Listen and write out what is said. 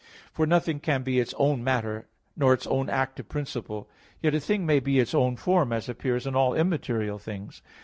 For nothing can be its own matter, nor its own active principle. Yet a thing may be its own form, as appears in all immaterial things.